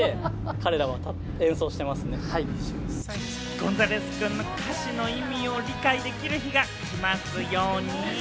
ゴンザレスくんが歌詞の意味を理解できる日が来ますように。